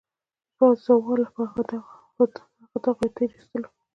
پازوالو په هغو دغو تېرېستلو.